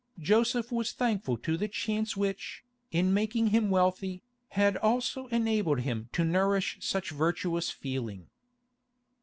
Joseph was thankful to the chance which, in making him wealthy, had also enabled him to nourish such virtuous feeling.